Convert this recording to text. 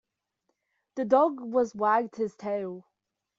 The dog was wagged its tail.